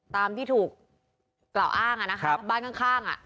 ตามที่ถูกกล่าวอ้างอ่ะนะคะบ้านข้างอ่ะ